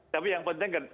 tapi yang penting kan